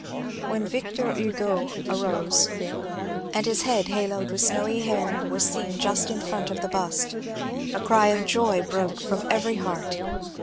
When Victor Hugo arose, and his head haloed with snowy hair was seen just in front of the bust, a cry of joy broke from every heart.